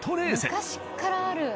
昔からある。